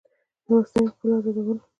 له مصنوعي پولو ازادول